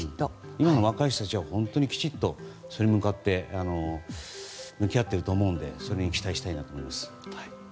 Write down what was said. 今の若い人たちは本当にきちっとそれに向かって向き合っていると思うので期待したいと思います。